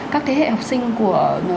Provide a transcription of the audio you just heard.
các thế hệ học sinh của